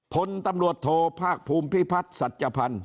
ผลตำรวจโทษภาคภูมิพิพัฒน์ศัตรยภัณฑ์